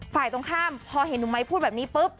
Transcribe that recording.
ฝ่ายตรงข้ามพอเห็นหนุ่มไม้พูดแบบนี้ปุ๊บ